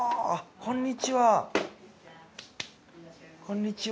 こんにちは。